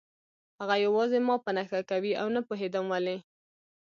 هغه یوازې ما په نښه کوي او نه پوهېدم ولې